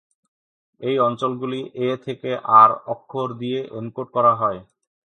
এই অঞ্চলগুলি "এ" থেকে "আর" অক্ষর দিয়ে এনকোড করা হয়।